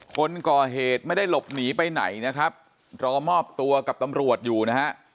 คนก่อเหตุไม่ได้หลบหนีไปไหนนะครับรอมอบตัวกับตำรวจอยู่นะฮะ